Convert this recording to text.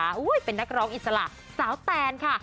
โอ้โหเป็นนักร้องอิสระสาวแตนค่ะ